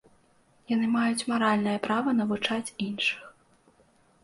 Яны маюць маральнае права навучаць іншых.